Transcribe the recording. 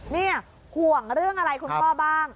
เนี่ยห่วงเรื่องอะไรคุณพ่อบ้างลองฟังคำตอบค่ะ